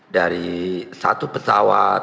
dari satu pesawat